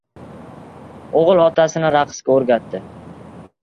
• O‘g‘il otasini raqsga o‘rgatdi.